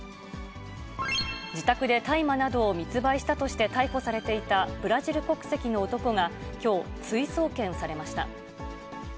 自宅で大麻などを密売したとして逮捕されていた、ブラジル国籍の男が、きょう、追送検されました。